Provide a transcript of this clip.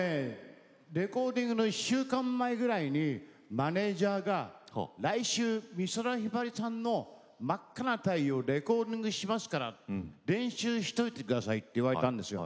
レコーディングの１週間前くらいにマネージャーが来週美空ひばりさんの「真赤な太陽」レコーディングしますから練習しておいてくださいと言われたんですよ。